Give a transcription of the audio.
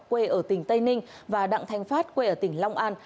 quê ở tỉnh tây ninh và đặng thanh phát quê ở tỉnh long an